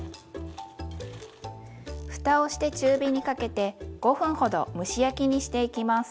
ふたをして中火にかけて５分ほど蒸し焼きにしていきます。